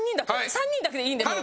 ３人だけでいいんで。